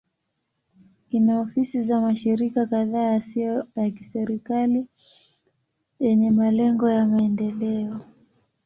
Ina ofisi za mashirika kadhaa yasiyo ya kiserikali yenye malengo ya maendeleo.